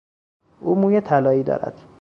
او موی طلایی دارد.